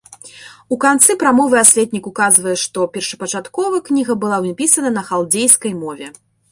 У канцы прамовы асветнік указвае, што першапачаткова кніга была напісана на халдзейскай мове.